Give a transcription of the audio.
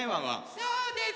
そうです！